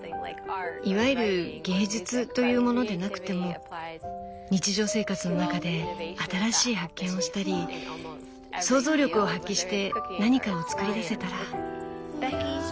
いわゆる芸術というものでなくても日常生活の中で新しい発見をしたり想像力を発揮して何かを作り出せたら。